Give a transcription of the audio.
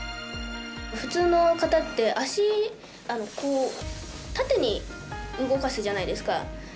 普通の方って足を縦に動かすじゃないですか。